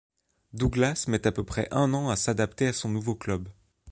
Douglas met à peu près un an à s'adapter à son nouveau club.